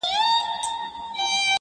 راته مخ کې د ښادیو را زلمي مو یتیمان کې٫